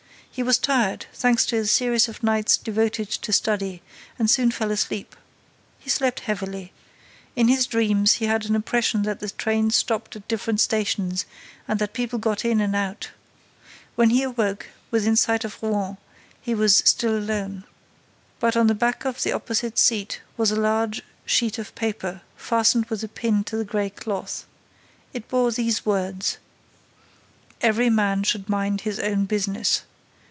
He was tired, thanks to a series of nights devoted to study, and soon fell asleep. He slept heavily. In his dreams, he had an impression that the train stopped at different stations and that people got in and out. When he awoke, within sight of Rouen, he was still alone. But, on the back of the opposite seat, was a large sheet of paper, fastened with a pin to the gray cloth. It bore these words: "Every man should mind his own business.